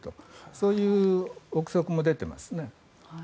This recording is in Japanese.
そういう臆測も出てますね。